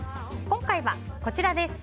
今回は、こちらです。